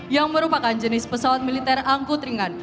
yang merupakan jenis pesawat militer angkut ringan